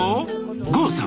郷さん